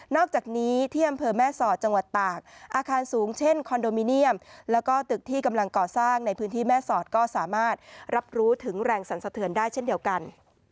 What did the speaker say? อกจากนี้ที่อำเภอแม่สอดจังหวัดตากอาคารสูงเช่นคอนโดมิเนียมแล้วก็ตึกที่กำลังก่อสร้างในพื้นที่แม่สอดก็สามารถรับรู้ถึงแรงสรรสะเทือนได้เช่นเดียวกัน